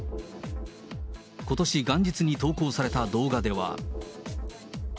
ことし元日に投稿された動画では。